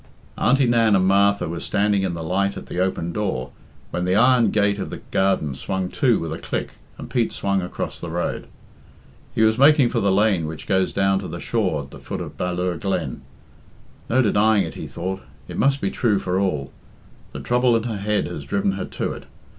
Auntie Nan and Martha were standing in the light at the open door when the iron gate of the garden swung to with a click, and Pete swung across the road. He was making for the lane which goes down to the shore at the foot of Ballure Glen. "No denying it," he thought. "It must be true for all. The trouble in her head has driven her to it.